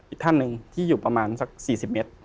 อีกท่านหนึ่งที่อยู่ประมาณสัก๔๐เมตร